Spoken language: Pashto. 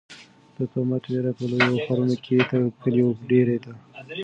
د تومت وېره په لویو ښارونو کې تر کلیو ډېره ده.